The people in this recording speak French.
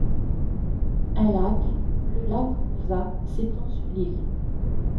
Un lac, le lac Rosa, s'étend sur l'île.